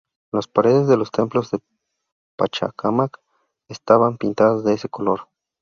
Las paredes de los templos de Pachacámac estaban pintadas de ese color.